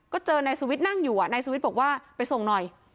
ก็เจอนายสุวิทย์นั่งอยู่นายสุวิทย์บอกว่าไปส่งหน่อย